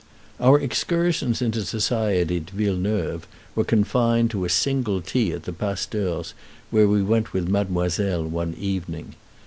Our excursions into society at Villeneuve were confined to a single tea at the pasteur's, where we went with mademoiselle one evening.